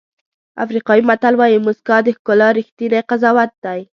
افریقایي متل وایي موسکا د ښکلا ریښتینی قضاوت دی.